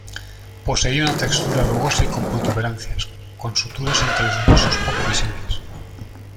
Poseía una textura rugosa y con protuberancias, con suturas entre los huesos poco visibles.